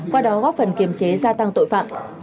qua đó góp phần kiềm chế gia tăng tội phạm